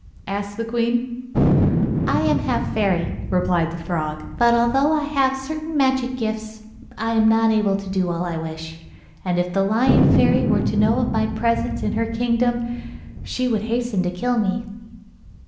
asked the queen. 'I am half a fairy,' replied the frog; 'but, although I have certain magic gifts, I am not able to do all I wish. And if the Lion Fairy were to know of my presence in her kingdom she would hasten to kill me.